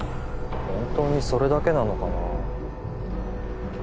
ホントにそれだけなのかな？